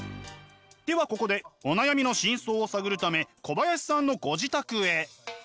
ではここでお悩みの真相を探るため小林さんのご自宅へ。